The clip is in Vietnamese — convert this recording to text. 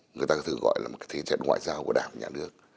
người ta thường gọi là một cái thế giới ngoại giao của đảng và nhà nước